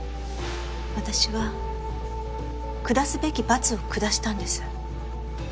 私は下すべき罰を下したんです。